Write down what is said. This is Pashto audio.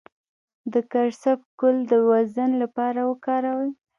د کرفس ګل د وزن لپاره وکاروئ